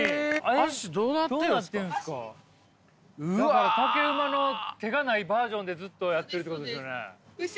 だから竹馬の手がないバージョンでずっとやってるってことですよね？